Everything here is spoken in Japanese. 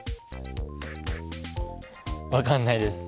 分かんないです。